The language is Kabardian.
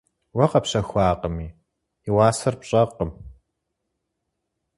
Уэ къэпщэхуакъыми, и уасэр пщӀэркъым.